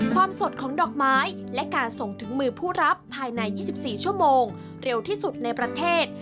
ความสดของดอกไม้และการส่งถึงมือผู้รับภายใน๒๔ชั่วโมงเร็วที่สุดในประเทศ